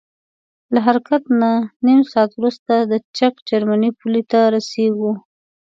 له حرکت نه نیم ساعت وروسته د چک جرمني پولې ته رسیږو.